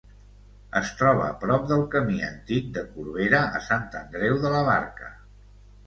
Es troba prop del camí antic de Corbera a Sant Andreu de la Barca.